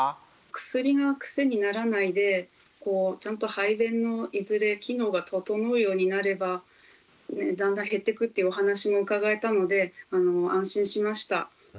薬が癖にならないでちゃんと排便のいずれ機能が整うようになればだんだん減ってくっていうお話も伺えたので安心しました。